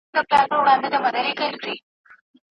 مرګی ظالم دی ژوند بې باوره